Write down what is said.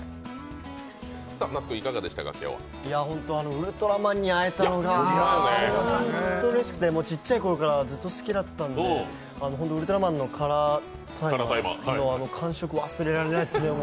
ウルトラマンに会えたのが本当にうれしくて、ちっちゃい頃からずっと好きだったので、ウルトラマンのカラータイマーの感触、忘れられないですね。